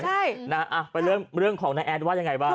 ใช่นะไปเรื่องของนายแอดว่ายังไงบ้าง